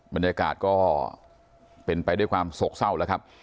บรรยากาศก็เป็นไปด้วยความโศกเศร้าแล้วครับ